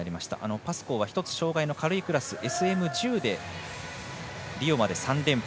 パスコーは１つ障がいの軽いクラス、ＳＭ１０でリオまで３連覇。